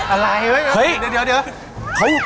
อะไรเฮ้ยเดี๋ยวเดี๋ยวเดี๋ยว